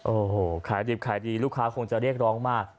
โอ้โหขายดิบขายดีลูกค้าคงจะเรียกร้องมาก